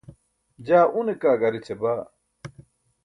jaa une kaa gar eća baa